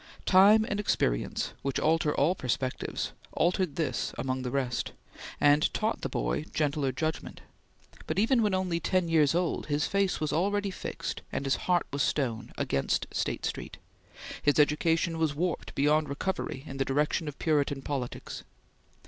Time and experience, which alter all perspectives, altered this among the rest, and taught the boy gentler judgment, but even when only ten years old, his face was already fixed, and his heart was stone, against State Street; his education was warped beyond recovery in the direction of Puritan politics.